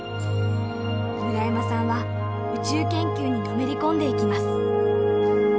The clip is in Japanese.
村山さんは宇宙研究にのめり込んでいきます。